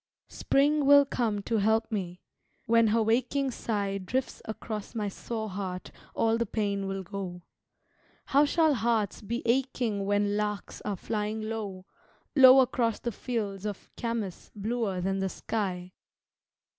Spring will come to help me: When her waking sigh Drifts across my sore heart all the pain will go. How shall hearts be aching when larks are flying low, Low across the fields of camas bluer than the sky?